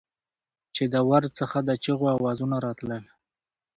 چې د ورد څخه د چېغو اوزونه راتلل.